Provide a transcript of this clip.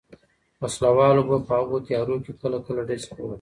وسله والو به په هغو تیارو کې کله کله ډزې کولې.